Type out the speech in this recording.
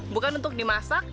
bukan untuk dimakan